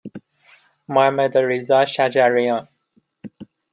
محمدرضا شجریان